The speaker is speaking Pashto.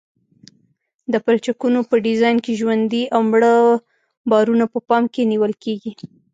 د پلچکونو په ډیزاین کې ژوندي او مړه بارونه په پام کې نیول کیږي